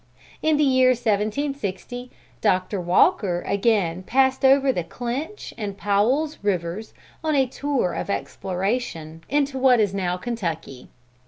"In the year 1760, Doctor Walker again passed over Clinch and Powell's rivers on a tour of exploration, into what is now Kentucky.